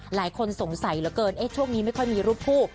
หลายคนสงสัยเหลือเกินช่วงนี้ไม่ค่อยมีรูปคู่